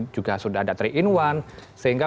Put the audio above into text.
juga sudah ada tiga in satu sehingga